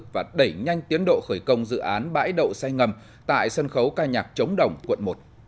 và đẩy nhanh tiến độ khởi công dự án bãi đậu xây ngầm tại sân khấu ca nhạc chống đồng quận một